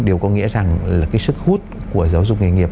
điều có nghĩa rằng là cái sức hút của giáo dục nghệ nghiệp